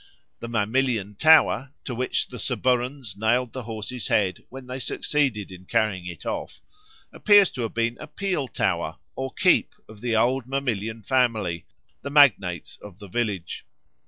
The Mamilian tower, to which the Suburans nailed the horse's head when they succeeded in carrying it off, appears to have been a peel tower or keep of the old Mamilian family, the magnates of the village.